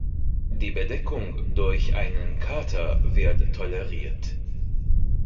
Die Bedeckung durch einen Kater wird toleriert.